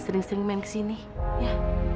sering sering main kesini ya